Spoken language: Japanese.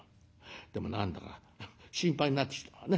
でも何だか心配になってきたわね。